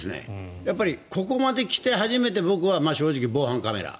やっぱりここまで来て初めて僕は正直、防犯カメラ